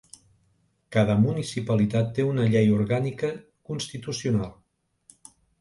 Cada municipalitat té una llei orgànica constitucional.